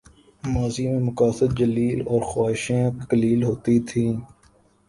ماضی میں مقاصد جلیل اور خواہشیں قلیل ہوتی تھیں۔